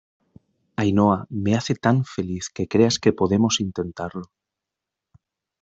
Ainhoa, me hace tan feliz que creas que podemos intentarlo.